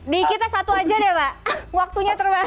dikitnya satu saja pak waktunya terbang